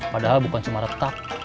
padahal bukan cuma retak